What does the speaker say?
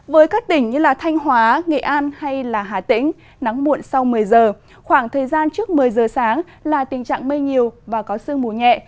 với các tỉnh như thanh hóa nghệ an hay hà tĩnh nắng muộn sau một mươi giờ khoảng thời gian trước một mươi giờ sáng là tình trạng mây nhiều và có sương mù nhẹ